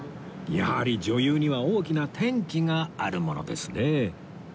やはり女優には大きな転機があるものですね